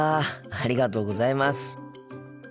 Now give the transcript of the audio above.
ありがとうございます。